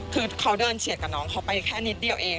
คือเขาเดินเฉียดกับน้องเขาไปแค่นิดเดียวเอง